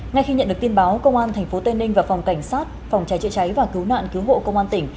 ngay khi nhận được tin báo công an tp tây ninh và phòng cảnh sát phòng cháy chữa cháy và cứu nạn cứu hộ công an tỉnh